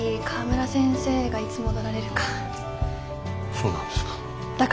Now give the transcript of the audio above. そうなんですか。